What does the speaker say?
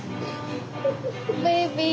ベイビー。